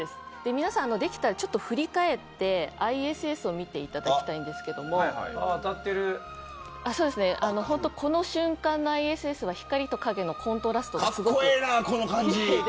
皆さんできたら振り返ってＩＳＳを見ていただきたいんですけどこの瞬間のＩＳＳは光と影のコントラストがすごく。